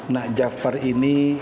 nak jafar ini